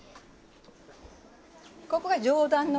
ここが上段之